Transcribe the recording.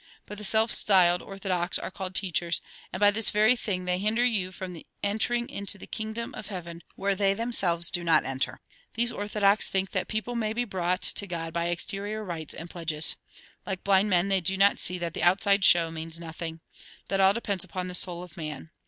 But the self styled orthodox are called teachers, and by this very thing they hinder you from entering into the kingdom of heaven, where they themselves do not enter. These orthodox think that people may be brought to God by exterior rites and pledges. Like blind men, they do not see that the outside show means nothing ; that all depends upon the soul of man.